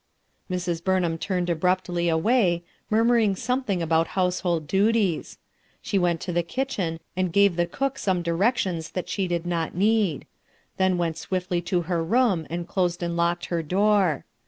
Airs. Burnham turned abruptly away, mur~ muring something about household duties. She went to the kitchen and gave the cook some directions that she did not need; then went swiftly to her room and closed and locked her door.